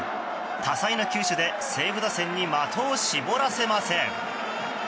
多彩な球種で西武打線に的を絞らせません。